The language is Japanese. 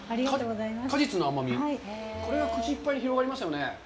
果実の甘み、これが口いっぱいに広がりますよね。